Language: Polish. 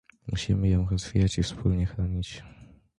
Musimy ją rozwijać i wspólnie chronić